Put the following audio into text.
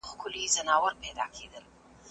آيا خاوند تر ميرمني افضليت لري؟